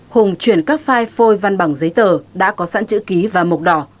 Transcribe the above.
hùng chuyển các file phôi văn bằng giấy tờ đã có sẵn chữ ký và mộc đỏ